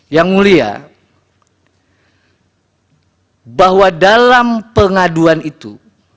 yang mulia bahwa dalam pengaduan itu